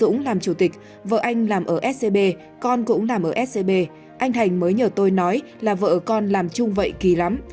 dũng làm chủ tịch vợ anh làm ở scb con cũng nằm ở scb anh thành mới nhờ tôi nói là vợ con làm chung vậy kỳ lắm